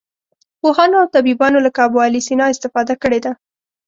پوهانو او طبیبانو لکه ابوعلي سینا استفاده کړې ده.